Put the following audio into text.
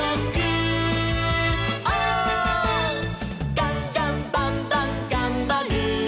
「ガンガンバンバンがんばる！」